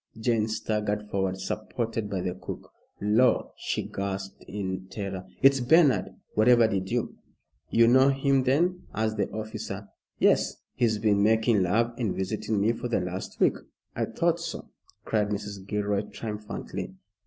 Jane staggered forward supported by the cook. "Lor'," she gasped in terror, "it's Bernard. Whatever did you " "You know him, then?" asked the officer. "Yes! he's been making love and visiting me for the last week?" "I thought so," cried Mrs. Gilroy, triumphantly.